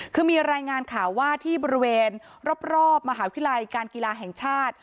คือมีรายงานข่าวว่าที่บริเวณรอบมหาวิทยาลัยการกีฬาแห่งชาติ